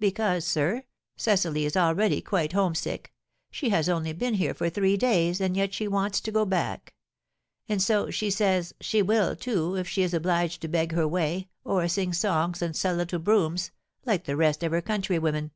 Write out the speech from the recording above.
'Because, sir, Cecily is already quite homesick; she has only been here three days and yet she wants to go back; and so, she says, she will, too, if she is obliged to beg her way, or sing songs and sell little brooms, like the rest of her countrywomen.'